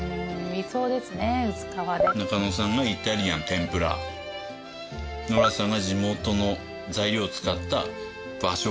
中野さんのイタリアン天ぷらノラさんが地元の材料を使った和食